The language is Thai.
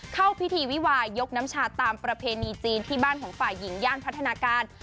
เข้าพิธีวิวายกน้ำชาตามประเพณีจีนที่บ้านของฝ่ายหญิงย่านพัฒนาการ